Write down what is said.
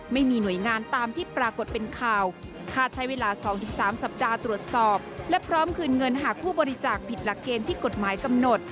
ไม่มีหน่วยงานตามที่ปรากฏเป็นข่าวคาดใช้เวลา๒๓สัปดาห์ตรวจสอบและพร้อมคืนเงินหากผู้บริจาคผิดหลักเกณฑ์ที่กฎหมายกำหนด